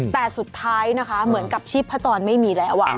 แต่สุดท้ายนะคะเหมือนกับชีพพระจรไม่มีแล้ว